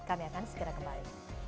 kami akan segera kembali